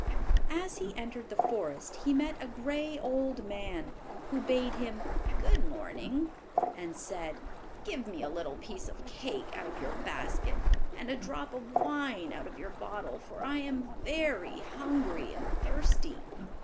As he entered the forest he met a gray old man, who bade him "Good morning," and said: "Give me a little piece of cake out of your basket and a drop of wine out of your bottle, for I am very hungry and thirsty."